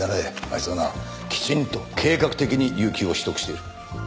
あいつはなきちんと計画的に有休を取得している。